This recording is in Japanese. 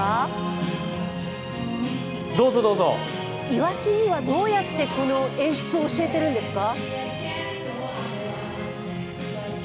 イワシにはどうやってこの演出を教えているんですか？